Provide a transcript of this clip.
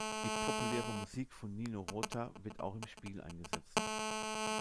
Die populäre Musik von Nino Rota wird auch im Spiel eingesetzt.